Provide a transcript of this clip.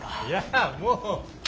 いやもう。